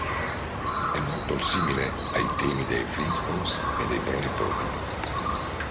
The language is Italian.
È molto simile ai temi dei "Flintstones" e dei "Pronipoti".